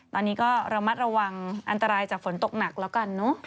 ตอนนี้ก็ระมัดระวังอันตรายจากฝนตกหนักแล้วกันเนอะ